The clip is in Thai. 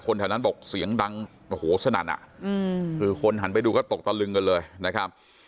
คนแถวนั้นบอกเสียงดังสนัดคือคนหันไปดูก็ตกตะลึงกันเลยนะครับ